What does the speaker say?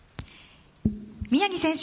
宮城選手